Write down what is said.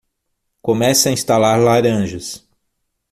Comece a instalar laranjas